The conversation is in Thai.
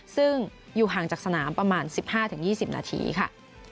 ซึ่งอยู่ห่างจากสนามประมาณ๑๕๒๐นาทีค่ะ